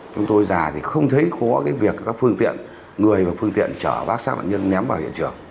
chúng tôi dài thì không thấy có việc phương tiện người và phương tiện chở bác sát đạo nhân nhắm vào hiện trường